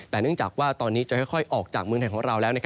แต่เนื่องจากว่าตอนนี้จะค่อยออกจากเมืองไทยของเราแล้ว